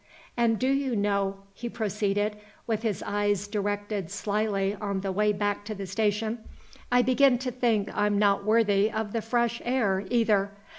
And do you know," he proceeded, with his eyes directed slyly on the way back to the station, "I begin to think I'm not worthy of the fresh air, either.